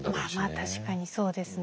まあ確かにそうですね。